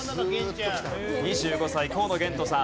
２５歳河野玄斗さん。